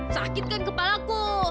sakit kan kepalaku